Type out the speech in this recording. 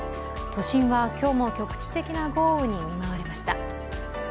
都心は今日も局地的な豪雨に見舞われました。